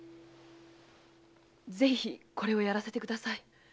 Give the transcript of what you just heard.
ぜひこれを演らせてください。